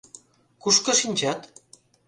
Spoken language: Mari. Кушко шинчат?